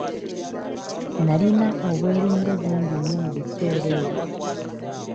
Nnalina obwerinde bungi nnyo mu biseera ebyo.